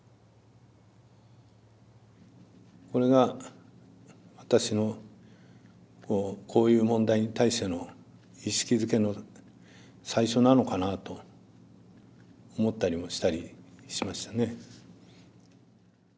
これが私のこういう問題に対しての意識づけの最初なのかなと思ったりもしたりしましたね。